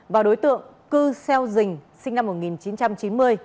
và đối tượng cư xeo dình sinh năm một nghìn chín trăm chín mươi